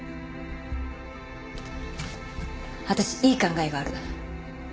私いい考えがある。